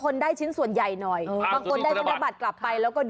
เขาจะไปดูไอ้เลข